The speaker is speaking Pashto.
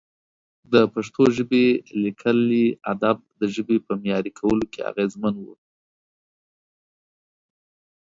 د پښتو ژبې لیکلي ادب د ژبې په معیاري کولو کې اغېزمن و.